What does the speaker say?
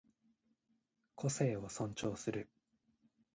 個性を尊重する